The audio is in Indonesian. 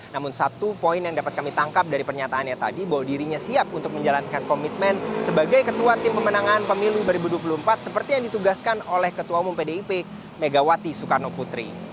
namun satu poin yang dapat kami tangkap dari pernyataannya tadi bahwa dirinya siap untuk menjalankan komitmen sebagai ketua tim pemenangan pemilu dua ribu dua puluh empat seperti yang ditugaskan oleh ketua umum pdip megawati soekarno putri